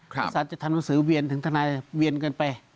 ธนาศาสตร์จะทำหนังสือเวียนถึงธนาศาสตร์เวียนกันไป